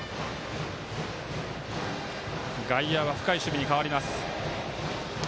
外野は深い守備に変わります。